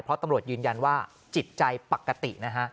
เพราะตำรวจยืนยันว่าจิตใจปกตินะฮะ